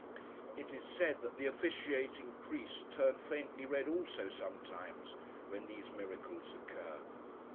It is said that the officiating priests turn faintly red also, sometimes, when these miracles occur.